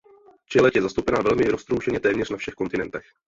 Čeleď je zastoupena velmi roztroušeně téměř na všech kontinentech.